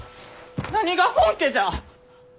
なにが本家じゃ！